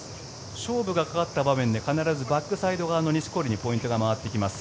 勝負がかかった場面で必ずバックサイド側の錦織にポイントが回ってきます。